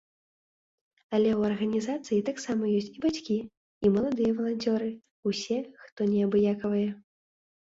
Але ў арганізацыі таксама ёсць і бацькі, і маладыя валанцёры, усе, хто неабыякавыя.